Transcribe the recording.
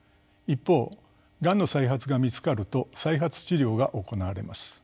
一方がんの再発が見つかると再発治療が行われます。